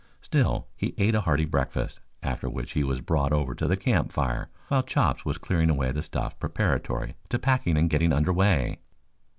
Still he ate a hearty breakfast, after which he was brought over to the campfire while Chops was clearing away the stuff preparatory to packing and getting under way.